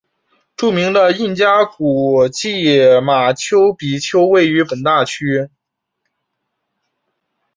著名的印加古迹马丘比丘位于本大区。